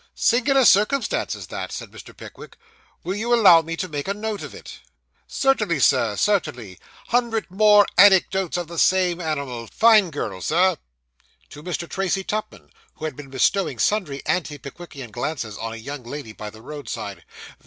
'Singular circumstance that,' said Mr. Pickwick. 'Will you allow me to make a note of it?' 'Certainly, Sir, certainly hundred more anecdotes of the same animal. Fine girl, Sir' (to Mr. Tracy Tupman, who had been bestowing sundry anti Pickwickian glances on a young lady by the roadside).